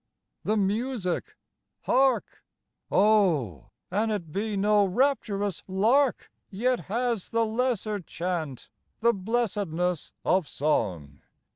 The music! Hark! Oh, an it be no rapturous lark, Yet has the lesser chant The blessedness of song.